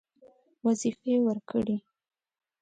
وظیفې ورکړې.